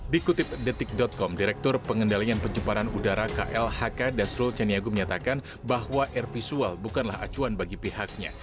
dikutip detik com direktur pengendalian penjemparan udara klhk dasrul ceniagu menyatakan bahwa air visual bukanlah acuan bagi pihaknya